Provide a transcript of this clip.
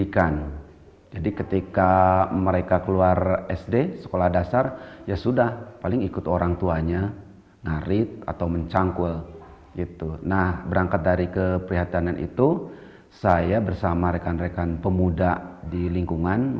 kisah bintang bintang